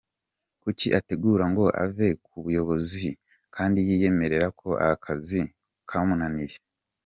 Kuki ategura ngo ave ku buyobozi, kandi yiyemerera ko akazi kamunaniye?